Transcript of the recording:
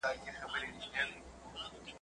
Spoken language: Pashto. o هر بنده، خپله ئې کرونده.